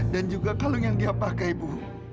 dan juga kalung yang dia pakai ibu